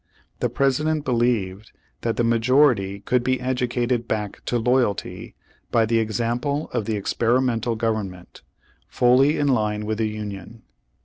The President believed that the majority could be educated back to loyalty by the example of the experimental government, fully in line with the Union.